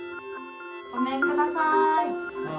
ごめんください。